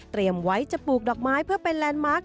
ไว้จะปลูกดอกไม้เพื่อเป็นแลนดมาร์ค